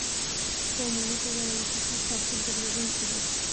په عمومي توګه د مشخص ترکیب درلودونکي دي.